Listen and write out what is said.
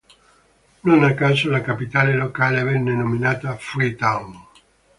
Non a caso la capitale locale venne nominata "Freetown".